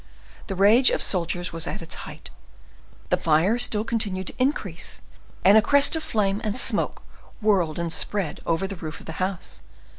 The rage of soldiers was at its height. The fire still continued to increase, and a crest of flame and smoke whirled and spread over the roof of the house.